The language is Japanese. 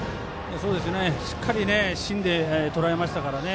しっかり芯でとらえましたからね。